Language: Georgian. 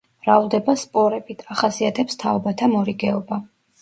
მრავლდება სპორებით; ახასიათებს თაობათა მორიგეობა.